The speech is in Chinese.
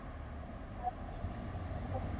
小质量的史瓦西半径也非常小。